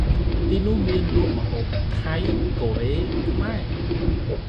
នៅទីនោះ មានលក់ម្ហូបថៃ កូរ៉េ ខ្មែរ។